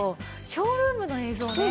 ショールームの映像をね